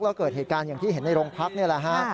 แล้วเกิดเหตุการณ์อย่างที่เห็นในโรงพักนี่แหละฮะ